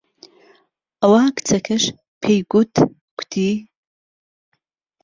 ئەوه کچهکهش پێیگوتکوتی